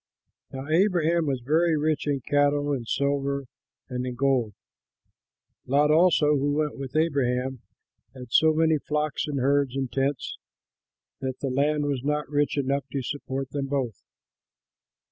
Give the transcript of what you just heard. Now Abraham was very rich in cattle, in silver, and in gold; Lot also, who went with Abraham, had so many flocks and herds and tents that the land was not rich enough to support them both.